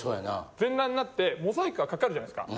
全裸になってモザイクがかかるじゃないですか。